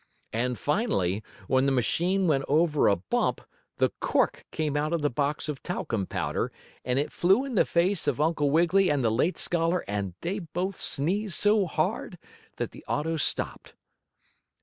And finally when the machine went over a bump the cork came out of the box of talcum powder and it flew in the face of Uncle Wiggily and the late scholar and they both sneezed so hard that the auto stopped.